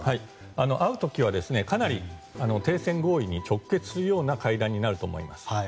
会う時はかなり停戦合意に直結するような会談になると思います。